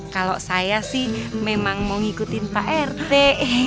kalau saya sih memang mau ngikutin pak rt